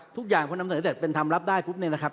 ทุกอย่างคนนำเสนอเสร็จเป็นทำรับได้ปุ๊บนึงนะครับ